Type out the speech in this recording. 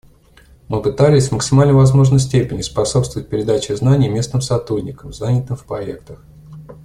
Мы пытались в максимально возможной степени способствовать передаче знаний местным сотрудникам, занятым в проектах.